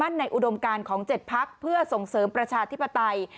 ในอุดมการของ๗พักเพื่อส่งเสริมประชาธิปไตย